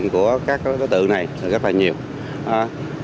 các đối tượng này thường tụ tập băng nhóm